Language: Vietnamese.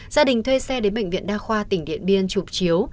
gia đình thuê xe đến bệnh viện đa khoa tỉnh điện biên trục chiếu